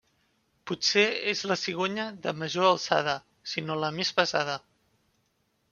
Potser és la cigonya de major alçada, si no la més pesada.